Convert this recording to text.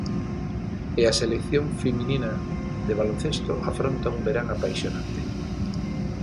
E a selección feminina de baloncesto afronta un verán apaixonante.